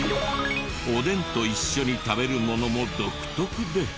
おでんと一緒に食べるものも独特で。